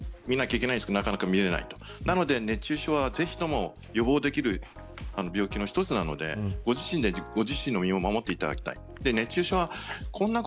どうしても診なきゃいけないんですけどなかなか診られないので熱中症は、ぜひとも予防できる病気の一つなのでご自身の身を守っていただきたい。